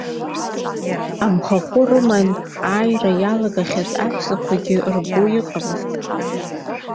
Амхахәы рыманы ааира иалагахьаз аҳәсақәагьы рбо иҟамызт.